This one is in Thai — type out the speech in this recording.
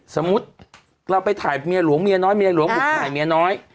สมมุติเราไปถ่ายเมียหลวงเมียน้อยเมียหลวงบุกถ่ายเมียน้อย